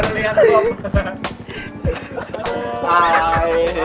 gue juga baru liat om